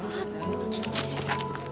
あっちょっとちょっと。